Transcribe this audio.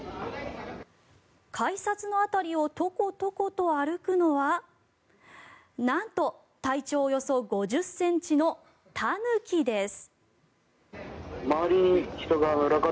改札の辺りをトコトコと歩くのはなんと体長およそ５０ｃｍのタヌキです。